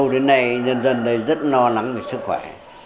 đến nay nhân dân đây rất lo lắng về sức khỏe